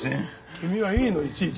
君はいいのいちいち。